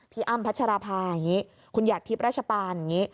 อ้ำพัชราภาอย่างนี้คุณหยาดทิพย์ราชปานอย่างนี้